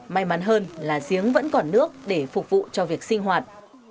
may mắn hơn là giếng vẫn còn nước để phục vụ cho việc sinh hoạt